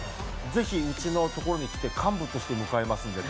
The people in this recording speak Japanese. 「ぜひうちのところに来て幹部として迎えますんで」